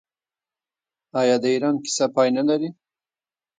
آیا د ایران کیسه پای نلري؟